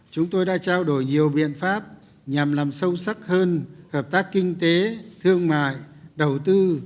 chúng tôi đã trao đổi nhiều biện pháp nhằm làm sâu sắc hơn hợp tác kinh tế thương mại đầu tư